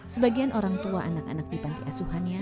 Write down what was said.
sebagian orang tua anak anak di panti asuhannya